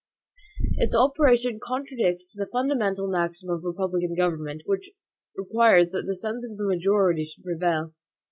Its operation contradicts the fundamental maxim of republican government, which requires that the sense of the majority should prevail.